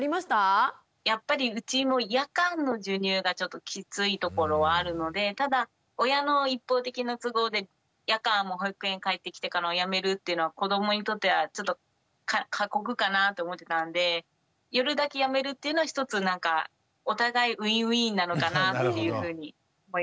やっぱりうちも夜間の授乳がちょっときついところはあるのでただ親の一方的な都合で夜間も保育園帰ってきてからもやめるっていうのは子どもにとってはちょっと過酷かなって思ってたんで夜だけやめるっていうのはひとつなんかお互いウィンウィンなのかなっていうふうに思いました。